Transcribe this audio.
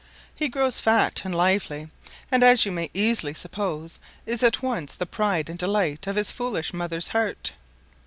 He grows fat and lively, and, as you may easily suppose, is at once the pride and delight of his foolish mother's heart.